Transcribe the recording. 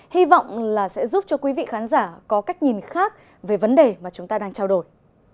hy vọng là sẽ giúp cho quý vị khán giả có cách nhìn khác về vấn đề mà chúng ta đang trao đổi